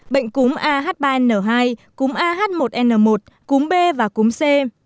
bệnh cúm ah ba n hai cúm ah một n một cúm b và cúm c